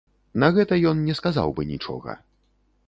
На гэта ён не сказаў бы нічога.